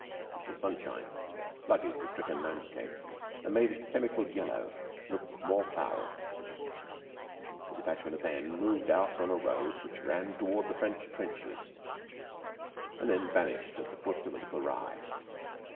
A little sunshine flooded the stricken landscape and made its chemical yellow look more foul. A detachment of men moved out on a road which ran toward the French trenches, and then vanished at the foot of a little rise.